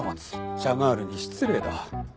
シャガールに失礼だ。